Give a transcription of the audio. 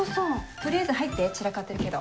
取りあえず入って散らかってるけど。